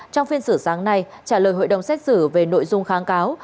trong phiên xử sáng nay trả lời hội đồng xét xử về nội dung kháng cáo